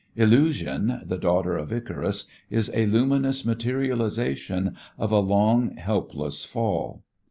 "Illusion," the daughter of Icarus, is a luminous materialization of a long, helpless fall.